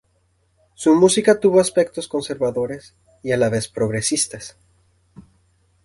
Su música tuvo aspectos conservadores y a la vez progresistas.